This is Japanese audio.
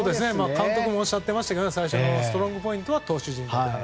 監督もおっしゃっていましたがストロングポイントは投手陣だと。